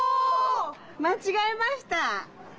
まちがえました！